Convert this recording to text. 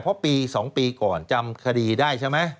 เพราะปี๒ปีก่อนจำคดีได้ใช่ไหม